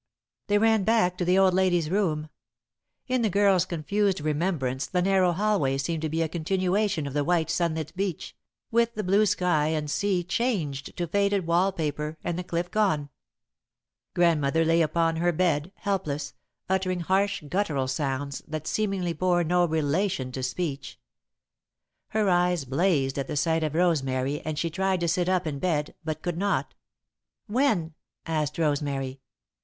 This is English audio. They ran back to the old lady's room. In the girl's confused remembrance the narrow hallway seemed to be a continuation of the white, sunlit beach, with the blue sky and sea changed to faded wall paper, and the cliff gone. Grandmother lay upon her bed, helpless, uttering harsh, guttural sounds that seemingly bore no relation to speech. Her eyes blazed at the sight of Rosemary and she tried to sit up in bed, but could not. "When?" asked Rosemary.